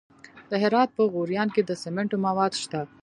د هرات په غوریان کې د سمنټو مواد شته.